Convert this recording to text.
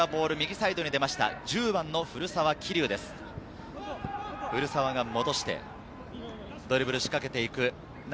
古澤が戻してドリブル仕掛けていく。